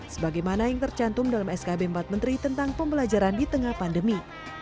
sebagaimana yang tercantum dalam skb empat menteri tentang pembelajaran di tengah pandemi